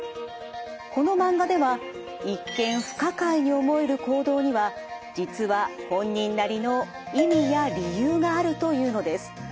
このマンガでは一見不可解に思える行動には実は本人なりの意味や理由があるというのです。